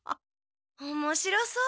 おもしろそう。